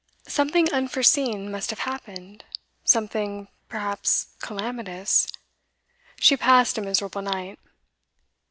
Something unforeseen must have happened something, perhaps, calamitous. She passed a miserable night.